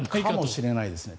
かもしれないですね。